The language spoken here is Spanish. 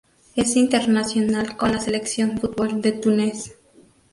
Es internacional con la selección de fútbol de Túnez.